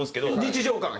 日常感や。